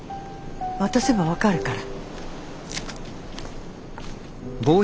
渡せば分かるから。